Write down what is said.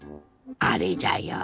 あれじゃよ